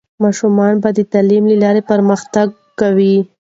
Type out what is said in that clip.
ماشومان به د تعلیم له لارې پرمختګ کوي.